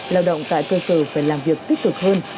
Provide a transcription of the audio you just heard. lao động tại cơ sở phải làm việc tích cực hơn